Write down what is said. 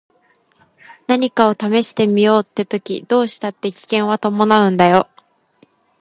何かを試してみようって時どうしたって危険は伴うんだよ。